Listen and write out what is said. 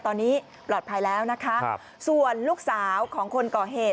ตอนนี้ปลอดภัยแล้วนะคะส่วนลูกสาวของคนก่อเหตุ